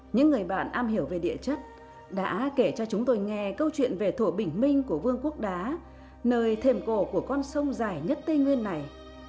những người bạn am hiểu về địa chất đã kể cho chúng tôi nghe câu chuyện về thủ bình minh của vương quốc đá nơi thềm cổ của con sông dài nhất tây nguyên này